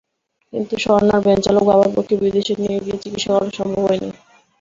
কিন্তু স্বর্ণার ভ্যানচালক বাবার পক্ষে বিদেশে নিয়ে গিয়ে চিকিৎসা করানো সম্ভব হয়নি।